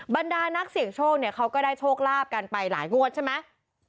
บรรดานักเสี่ยงโชคเนี่ยเขาก็ได้โชคลาภกันไปหลายงวดใช่ไหม